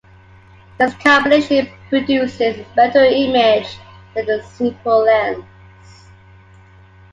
This combination produces a better image than a simple lens.